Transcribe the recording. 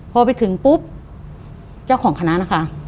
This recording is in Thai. พอไปถึงปุ๊บเจ้าของคณะนะคะ